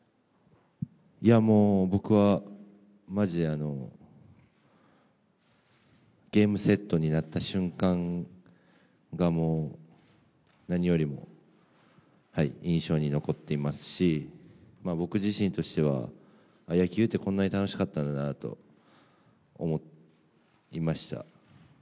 いやもう、僕はまじで、ゲームセットになった瞬間がもう何よりも印象に残っていますし、僕自身としては、野球ってこんなに楽しかったんだなと思いました。